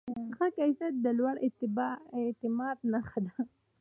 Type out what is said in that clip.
ښه کیفیت د لوړ اعتماد نښه ده.